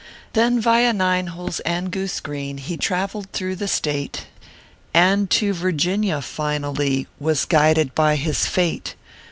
Then, via Nino Holes and Goose Green, He traveled through the State, And to Virginia, finally, "Was guided by his fate.